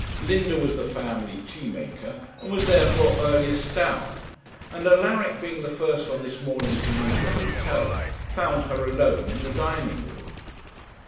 Linda was the family tea maker, and was, therefore, earliest down; and Alaric being the first on this morning to leave the hotel, found her alone in the dining room.